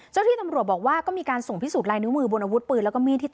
เจ้าที่ตำรวจบอกว่าก็มีการส่งพิสูจนลายนิ้วมือบนอาวุธปืนแล้วก็มีดที่